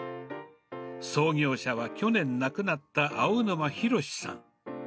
創業者は、去年亡くなった青沼弘さん。